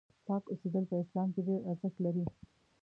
پاک اوسېدل په اسلام کې ډېر ارزښت لري.